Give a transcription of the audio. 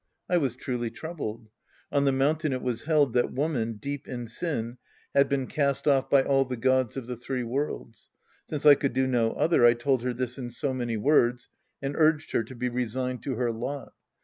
I was truly troubled. On the mountain it was held that woman, deep in sin, had been cast off by all the gods of the three worlds. Since I could do no other, I told her this in so many words and urged her to be resigned to her lot.